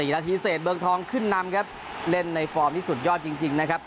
นาทีเสร็จเมืองทองขึ้นนำครับเล่นในฟอร์มที่สุดยอดจริงนะครับ